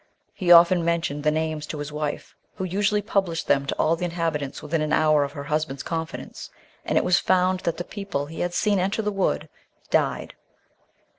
He often mentioned the names to his wife, who usually published them to all the inhabitants within an hour of her husband's confidence; and it was found that the people he had seen enter the wood died.